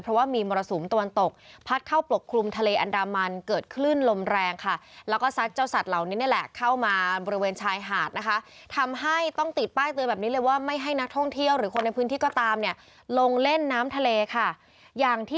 เพราะว่ามีมอระสุนตวนตกพัดเข้าปกคลุมทะเลอันดามัน